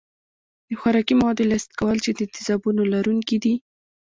د خوراکي موادو لست کول چې د تیزابونو لرونکي دي.